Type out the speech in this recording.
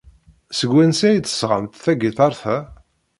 Seg wansi ay d-tesɣamt tagiṭart-a?